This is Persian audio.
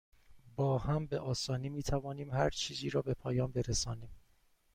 با هم، به آسانی می توانیم هرچیزی را به پایان برسانیم.